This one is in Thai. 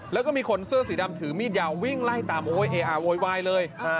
แล้วก็มีคนเสื้อสีดำถือมีดยาววิ่งไล่ตามโอ้โวยวายเลย